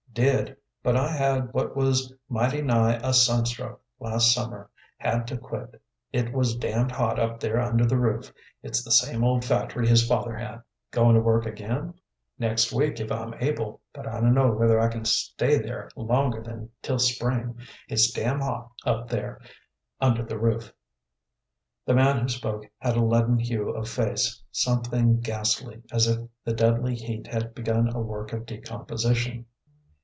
"Did, but I had what was mighty nigh a sunstroke last summer; had to quit. It was damned hot up there under the roof. It's the same old factory his father had." "Goin' to work again?" "Next week, if I'm able, but I dun'no' whether I can stay there longer than till spring. It's damned hot up there under the roof." The man who spoke had a leaden hue of face, something ghastly, as if the deadly heat had begun a work of decomposition.